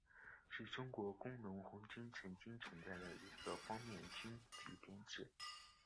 是中国工农红军曾经存在的一个方面军级编制。